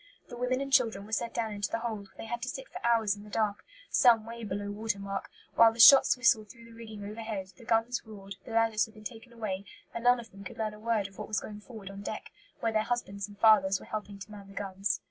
The women and children were sent down into the hold, where they had to sit for hours in the dark, some way below watermark, while the shots whistled through the rigging overhead, the guns roared, the ladders had been taken away, and none of them could learn a word of what was going forward on deck, where their husbands and fathers were helping to man the guns.